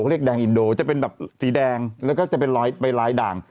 เรียกแดงอินโดจะเป็นแบบสีแดงแล้วก็จะเป็นรอยด่าง